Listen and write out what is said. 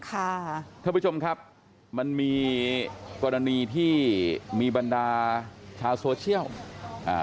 ท่านผู้ชมครับมันมีกรณีที่มีบรรดาชาวโซเชียลอ่า